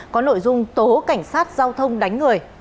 có nội dung tố cảnh sát giao thông đánh người